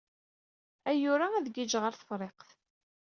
Ayyur-a, ad gijjeɣ ɣer Tefriqt.